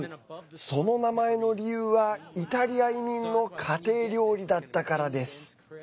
その名前の理由はイタリア移民の家庭料理だったからです。